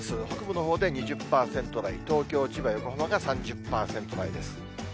北部のほうで２０％台、東京、千葉、横浜が３０％台です。